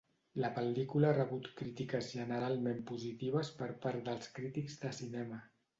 La pel·lícula ha rebut crítiques generalment positives per part dels crítics de cinema.